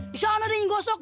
di sana ada yang gosok